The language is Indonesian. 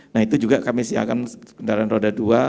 nah itu juga kami siapkan kendaraan roda dua